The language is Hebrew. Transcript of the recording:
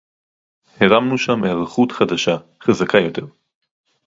הרמנו שם היערכות חדשה, חזקה יותר